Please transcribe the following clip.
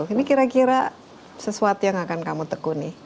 ini kira kira sesuatu yang akan kamu tekuni